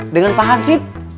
dengan pak hansip